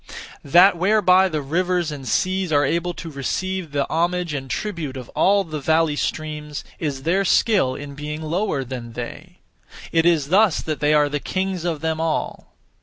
That whereby the rivers and seas are able to receive the homage and tribute of all the valley streams, is their skill in being lower than they; it is thus that they are the kings of them all.